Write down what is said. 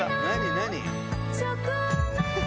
何？